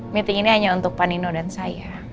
meeting ini hanya untuk panino dan saya